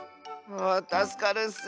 ああたすかるッス！